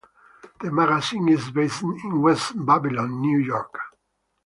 The magazine is based in West Babylon, New York.